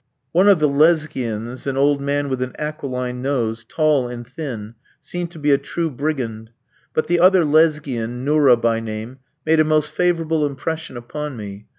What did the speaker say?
One of the Lesghians, an old man with an aquiline nose, tall and thin, seemed to be a true brigand; but the other Lesghian, Nourra by name, made a most favourable impression upon me.